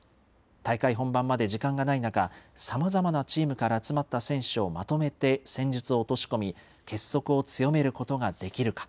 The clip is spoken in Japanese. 大会本番まで時間がない中、さまざまなチームから集まった選手をまとめて戦術を落とし込み、結束を強めることができるか。